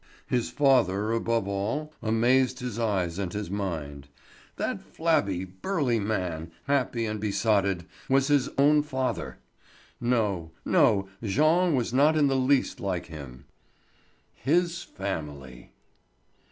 His father, above all, amazed his eyes and his mind. That flabby, burly man, happy and besotted, was his own father! No, no; Jean was not in the least like him. His family!